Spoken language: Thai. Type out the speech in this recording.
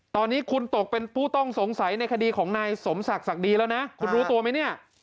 ตอนนี้คุณตกเป็นผู้ต้องสงสัยในคดีของนายสมศักดิ์ดีแล้วนะคุณรู้ตัวไหมเนี่ย